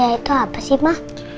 amnesia itu apa sih ma